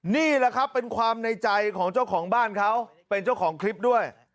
นี่แหละครับเป็นความในใจของเจ้าของบ้านเขาเป็นเจ้าของคลิปด้วย